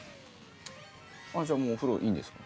じゃあもうお風呂いいんですか？